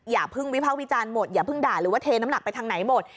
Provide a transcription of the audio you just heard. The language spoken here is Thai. อย่าเพิ่งวิภาควิจารณ์หมดอย่าเพิ่งด่าหรือว่าเทน้ำหนักไปทางไหนหมด